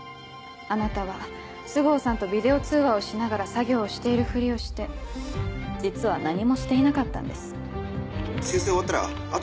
あなたは須郷さんとビデオ通話をしながら作業をしているふりをして実は何もしていなかったんです。